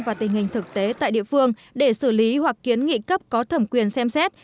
và tình hình thực tế tại địa phương để xử lý hoặc kiến nghị cấp có thẩm quyền xem xét